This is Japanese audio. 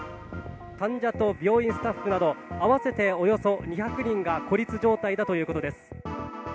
患者と病院スタッフなど、合わせておよそ２００人が孤立状態だということです。